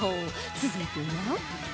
続いては